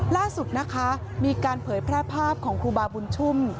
ล่าสุดนะคะมีการเผยแพร่ภาพของครูบาบุญชุ่ม